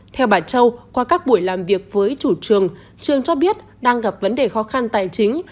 theo bà châu qua các buổi làm việc với chủ trường trường cho biết đang gặp vấn đề khó khăn tài chính